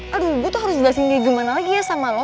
aduh gue tuh harus jelasin kayak gimana lagi ya sama lo